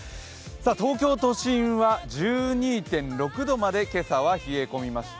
東京都心は１２．６度まで今朝は冷え込みました。